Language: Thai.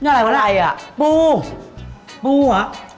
นี่อะไรวะปูปูหรอ